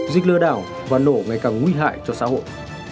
dịch lừa đảo và nổ ngày càng nguy hại cho xã hội